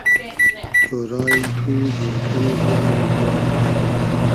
تۉرایی تو جورکۂ میدیۂ میدیۂ باوئر